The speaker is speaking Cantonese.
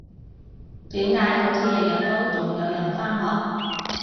點解好似日日都仲有人返學？